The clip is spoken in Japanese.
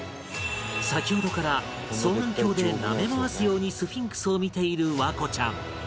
先ほどから双眼鏡でなめ回すようにスフィンクスを見ている環子ちゃん